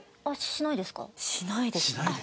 しないですか？